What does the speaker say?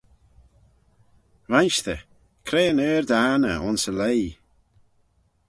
Vainshtyr, cre yn ard anney ayns y leigh?